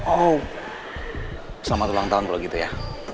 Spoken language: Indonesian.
oh selamat ulang tahun kalau gitu ya